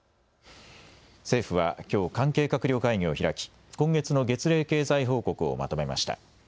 政府はきょう関係閣僚会議を開き今月の月例経済報告をまとめました。